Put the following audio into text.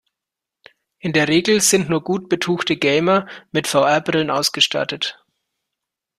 In der Regel sind nur gut betuchte Gamer mit VR-Brillen ausgestattet.